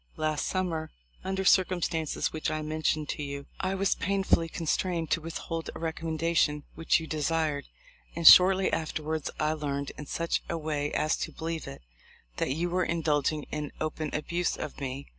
Last sum mer, under circumstances which I mentioned to you, I was painfully constrained to withhold a recom mendation which you desired, and shortly after wards I learned, in such a way as to believe it, that you were indulging in open abuse of me.